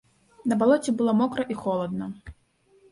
На балоце было мокра і халодна.